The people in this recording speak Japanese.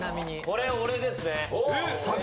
これ俺ですね。